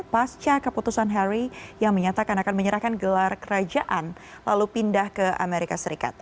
pasca keputusan harry yang menyatakan akan menyerahkan gelar kerajaan lalu pindah ke amerika serikat